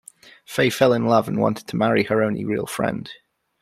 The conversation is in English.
Fei fell in love and wanted to marry her only real friend.